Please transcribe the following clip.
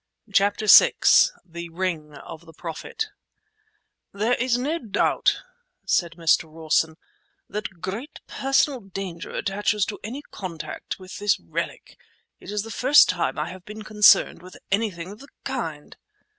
CHAPTER VI THE RING OF THE PROPHET "There is no doubt," said Mr. Rawson, "that great personal danger attaches to any contact with this relic. It is the first time I have been concerned with anything of the kind."